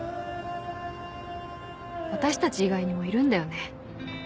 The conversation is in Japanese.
私たち以外にもいるんだよね。